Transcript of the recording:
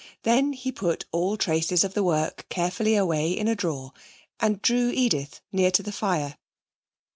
Then he put all traces of the work carefully away in a drawer and drew Edith near to the fire.